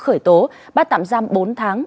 khởi tố bắt tạm giam bốn tháng